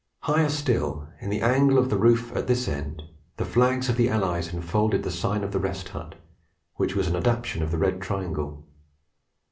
Higher still, in the angle of the roof at this end, the flags of the Allies enfolded the Sign of the Rest Hut, which was an adaptation of the Red Triangle.